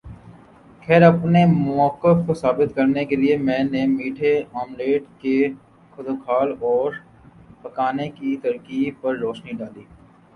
خیر اپنے موقف کو ثابت کرنے کے لئے میں نے میٹھے آملیٹ کے خدوخال اور پکانے کی ترکیب پر روشنی ڈالی